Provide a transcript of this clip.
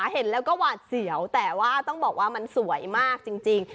เห็นแล้วก็หวาดเสียวแต่ว่าต้องบอกว่ามันสวยมากจริง